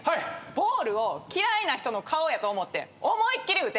ボールを嫌いな人の顔やと思って思いっ切り打て！